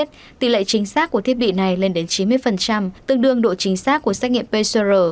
tỷ lệ chính xác của thiết bị này lên đến chín mươi tương đương độ chính xác của xét nghiệm pcr